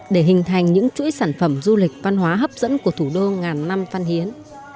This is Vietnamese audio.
để hình thành những chuỗi sản phẩm du lịch văn hóa hấp dẫn của thủ đô ngàn năm văn hiến